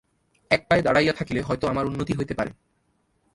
এক পায়ে দাঁড়াইয়া থাকিলে হয়তো আমার উন্নতি হইতে পারে।